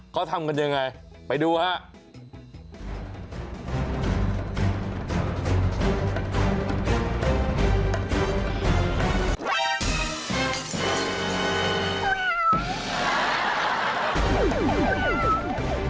เขาทำกันยังไงไปดูครับ